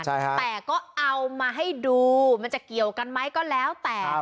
แต่ก็เอามาให้ดูมันจะเกี่ยวกันไหมก็แล้วแต่